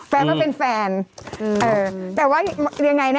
แฟนว่าเป็นแฟนเอือแต่ว่าอย่างไรนะ